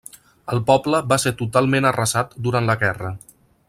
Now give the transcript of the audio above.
El poble va ser totalment arrasat durant la guerra.